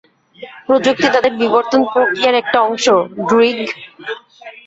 প্রযুক্তি তাদের বিবর্তন প্রক্রিয়ার একটা অংশ, ড্রুইগ।